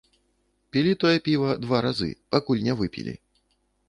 Пілі тое піва два разы, пакуль не выпілі.